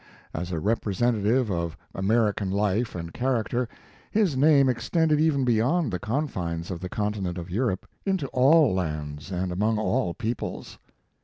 As a representative of American life and character his name extended even beyond the confines of the continent of Europe, into all lands and among all peoples.